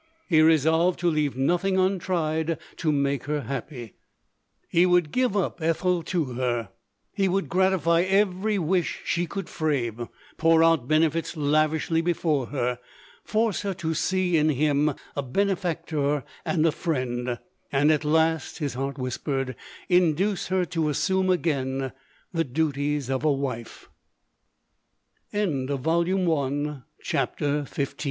He re solved to leave nothing untried to make her happy. He would give up Ethel to her — he would gratify every wish she could frame — pour out benefits lavishly before her — force her to see in him a benefactor and a friend ; and at last, his heart whispered, induce her to assume aga